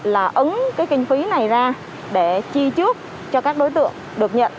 là ấn cái kinh phí này ra để chi trước cho các đối tượng được nhận